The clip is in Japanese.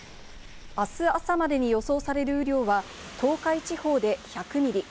あす朝までに予想される雨量は東海地方で１００ミリ。